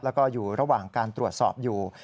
แล้วก็อยู่ระหว่างการตรวจสอบอยู่